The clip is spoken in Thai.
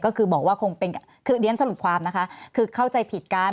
ก็คือบอกว่าคงเป็นคือเรียนสรุปความนะคะคือเข้าใจผิดกัน